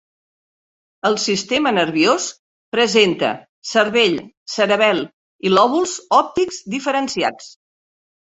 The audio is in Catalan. El sistema nerviós presenta cervell, cerebel i lòbuls òptics diferenciats.